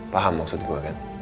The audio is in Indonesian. paham maksud gue kan